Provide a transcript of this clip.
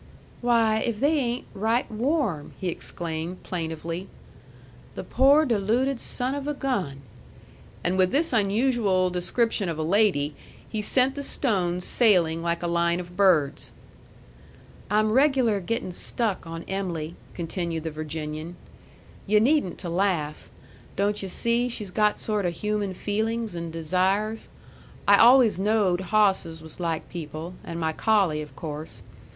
"Why, if they ain't right warm!" he exclaimed plaintively. "The poor, deluded son of a gun!" And with this unusual description of a lady, he sent the stones sailing like a line of birds. "I'm regular getting stuck on Em'ly," continued the Virginian. "Yu' needn't to laugh. Don't yu' see she's got sort o' human feelin's and desires? I always knowed hawsses was like people, and my collie, of course.